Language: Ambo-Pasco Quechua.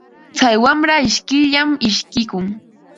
Tsay wamra ishkiyllam ishkikun.